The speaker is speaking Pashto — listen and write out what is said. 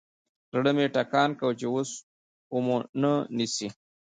زړه مې ټکان کاوه چې اوس ومو نه نيسي.